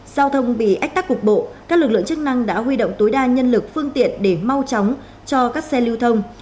giao thông bị ách tắc cục bộ các lực lượng chức năng đã huy động tối đa nhân lực phương tiện để mau chóng cho các xe lưu thông